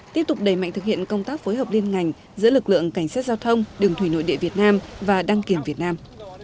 tiếp tục đẩy mạnh thực hiện công tác phối hợp liên ngành giữa lực lượng cảnh sát giao thông đường thủy nội địa việt nam và đăng kiểm việt nam